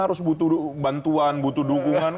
harus butuh bantuan butuh dukungan